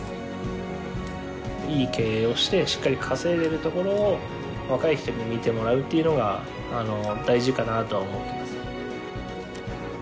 いい経営をしてしっかり稼いでいるところを若い人に見てもらうっていうのが大事かなとは思ってます。